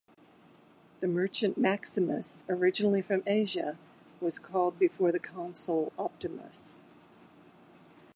The merchant Maximus, originally from Asia, was called before the consul Optimus.